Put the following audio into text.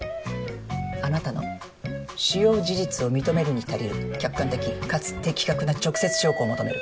あなたの主要事実を認めるに足りる客観的かつ的確な直接証拠を求める。